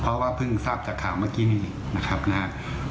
เพราะว่าเพิ่งทราบจากข่าวเมื่อกี้นี้นะครับนะครับ